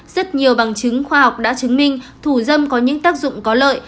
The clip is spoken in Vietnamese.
rất nhiều bằng chứng khoa học đã chứng minh thủ dâm có những tác dụng có lợi